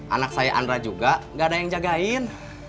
anak saya andra juga gak ada yang jagain